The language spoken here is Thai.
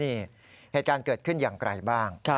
นี่เหตุการณ์เกิดขึ้นอย่างไกลบ้าง